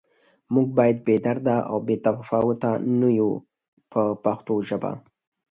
موږ باید بې درده او بې تفاوته نه یو په پښتو ژبه.